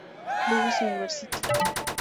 Louis University.